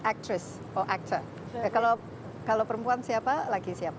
actress atau actor kalau perempuan siapa laki siapa